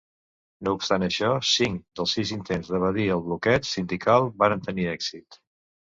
No obstant això, cinc dels sis intents d'evadir el bloqueig sindical varen tenir èxit.